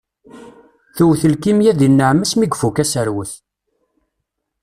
Tewwet lkimya deg nneɛma-s mi ifukk aserwet.